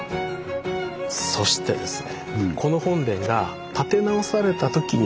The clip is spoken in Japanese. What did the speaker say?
そしてですね